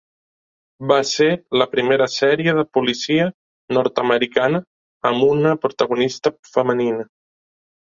Va ser la primera sèrie de policia nord-americana amb una protagonista femenina.